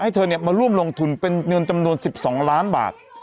เธอมาร่วมลงทุนเป็นเงินจำนวน๑๒ล้านบาท